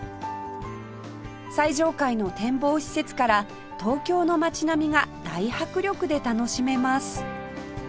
最上階の展望施設から東京の街並みが大迫力で楽しめます